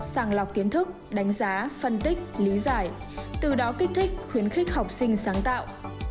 sàng lọc kiến thức đánh giá phân tích lý giải từ đó kích thích khuyến khích học sinh sáng tạo